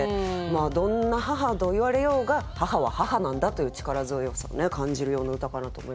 どんな母といわれようが母は母なんだという力強さも感じるような歌かなと思いますけれども。